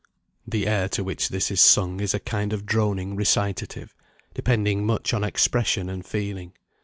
] The air to which this is sung is a kind of droning recitative, depending much on expression and feeling.